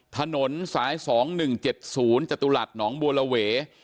ถนนสาย๒๑๗๐จตุรัสหนองบัวระเว